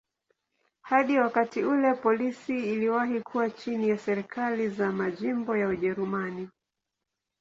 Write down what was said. Hadi wakati ule polisi iliwahi kuwa chini ya serikali za majimbo ya Ujerumani.